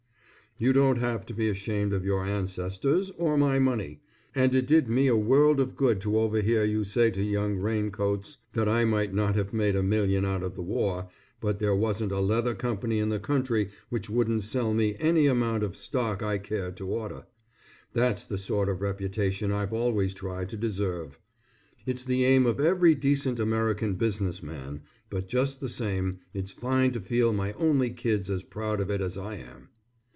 You don't have to be ashamed of your ancestors, or my money, and it did me a world of good to overhear you say to young Raincoats that I might not have made a million out of the war, but there wasn't a leather company in the country which wouldn't sell me any amount of stock I cared to order. That's the sort of a reputation I've always tried to deserve. It's the aim of every decent American business man, but just the same it's fine to feel my only kid's as proud of it as I am.